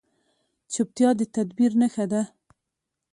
چپتیا، د تدبیر نښه ده.